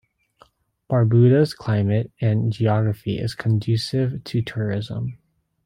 Barbuda's climate and geography is conducive to tourism.